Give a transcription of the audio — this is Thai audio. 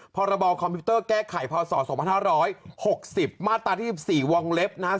พรบคอมพิวเตอร์แก้ไขภาวส่อสองพันห้าร้อยหกสิบมาตราที่สิบสี่วองเล็บนะฮะ